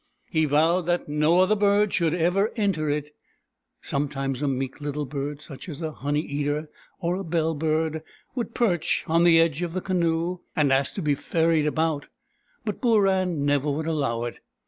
He vowed that no other bird should ever enter it. Sometimes a meek little bird, such as a honey eater or a bell bird, would perch on the edge of the canoe and ask to be ferried about ; but Booran never would allow it.